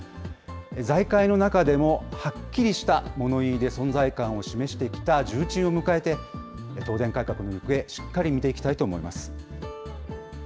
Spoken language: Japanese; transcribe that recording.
財界の中でも、はっきりした物言いで存在感を示してきた重鎮を迎えて、東電改革の行方、しっかり見ていきたいと思います。